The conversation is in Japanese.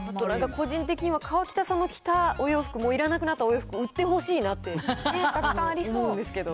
個人的には河北さんの来たお洋服、もういらなくなったお洋服、売ってほしいなって思うんですけど。